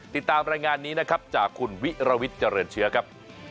ติดตามรายงานนี้นะครับจากคุณวิรวิทย์เจริญเชื้อครับ